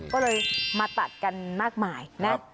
ก็เลยมาตัดกันมากมายนะ